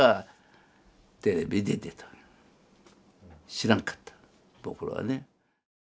知らんかった僕らはね。